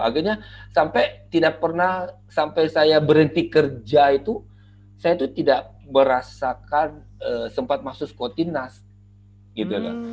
akhirnya sampai tidak pernah sampai saya berhenti kerja itu saya tuh tidak merasakan sempat masuk skotinas gitu loh